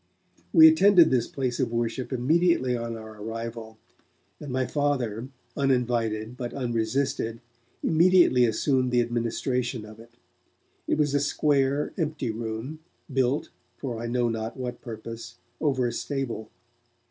We attended this place of worship immediately on our arrival, and my Father, uninvited but unresisted, immediately assumed the administration of it. It was a square, empty room, built, for I know not what purpose, over a stable.